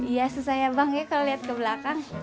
iya susah ya bang ya kalau lihat ke belakang